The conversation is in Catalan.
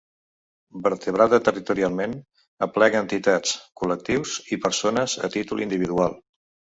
Vertebrada territorialment, aplega entitats, col·lectius i persones a títol individual.